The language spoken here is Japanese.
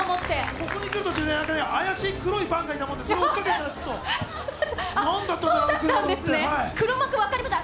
ここに来る途中で怪しい黒いバンがいたもんで、それを追っかけてたらちょっと、なんだったんだろう、黒幕分かりました？